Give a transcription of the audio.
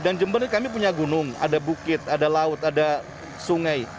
jember ini kami punya gunung ada bukit ada laut ada sungai